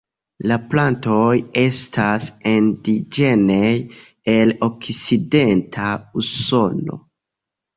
La plantoj estas indiĝenaj el Okcidenta Usono.